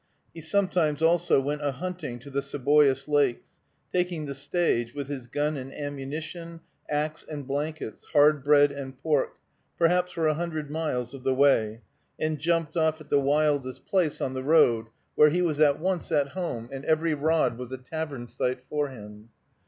He sometimes, also, went a hunting to the Seboois Lakes, taking the stage, with his gun and ammunition, axe and blankets, hard bread and pork, perhaps for a hundred miles of the way, and jumped off at the wildest place on the road, where he was at once at home, and every rod was a tavern site for him.